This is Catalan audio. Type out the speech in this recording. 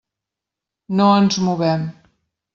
No ens movem.